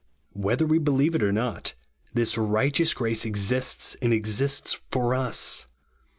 Whether we believe it or not, this righteous grace exists, and exists for us.